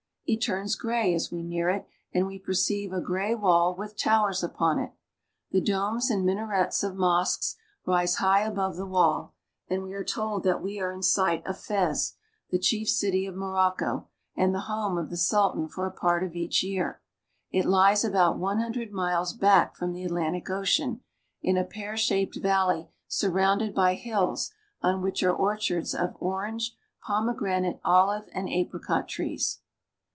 It turns gray as we nea.i: H 26 AFRICA and we perceive a gray wall with towers upon it. The domes and minarets of mosques rise high above the wall, and we are told that we are in sight of Fez, the chief city of Morocco, and the home of the Sultan for a part of each year. It lies about one hundred miles back from the Atlantic Ocean, in a pear shaped valley surrounded by hills on which are orchards of orange, pomegranate, ohve, and apricot trees.